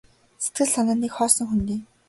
Сэтгэл санаа нь нэг хоосон хөндий.